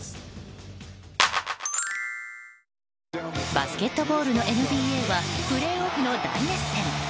バスケットボール、ＮＢＡはプレーオフの大熱戦。